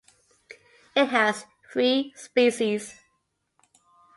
It has three species.